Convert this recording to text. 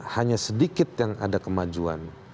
hanya sedikit yang ada kemajuan